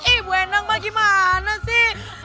ih bu endang gimana sih